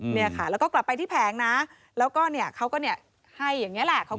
เนี่ยค่ะแล้วก็กลับไปที่แผงนะแล้วก็เนี่ยเขาก็เนี่ยให้อย่างนี้แหละ